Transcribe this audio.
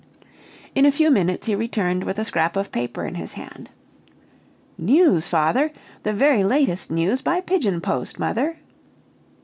In a few minutes he returned with a scrap of paper in his hand. "News, father! The very latest news by pigeon post, mother!"